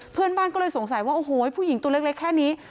เพื่อนบ้านก็เลยสงสัยว่าโอ้โหผู้หญิงตัวเล็กแค่นี้